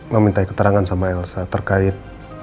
meminta keterangan sama elsa terkait